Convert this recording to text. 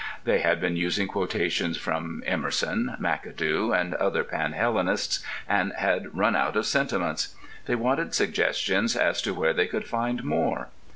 They had been using quotations from Emerson, McAdoo, and other panhellenists, and had run out of "sentiments." They wanted suggestions as to where they could find more.